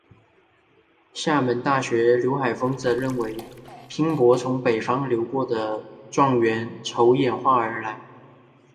厦门大学刘海峰则认为博饼从北方流行过的状元筹演化而来。